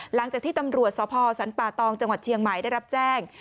หลังจากที่ตำรวจสพสรรป่าตองจังหวัดเชียงใหม่ได้รับแจ้ง